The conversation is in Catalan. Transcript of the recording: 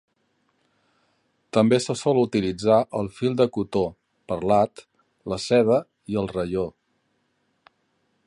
També se sol utilitzar el fil de cotó perlat, la seda i el raió.